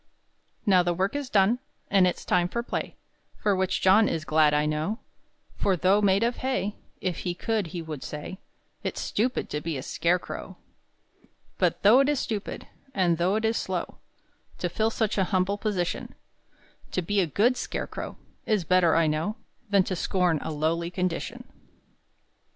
Now the work is done, And it's time for play, For which John is glad I know; For though made of hay, If he could he would say, "It's stupid to be a scarecrow." But though it is stupid, And though it is slow, To fill such an humble position; To be a good scarecrow Is better I know Than to scorn a lowly condition.